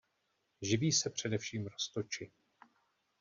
Živí se především roztoči.